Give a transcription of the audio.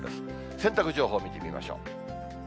洗濯情報見てみましょう。